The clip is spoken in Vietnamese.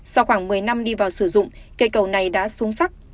sau khoảng một mươi năm đi vào sử dụng cây cầu này đã xuống sắt